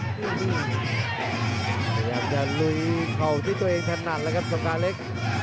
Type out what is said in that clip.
พยายามจะลื้อเข่าที่ตัวเองทันหนักแล้วครับสำการเล็ก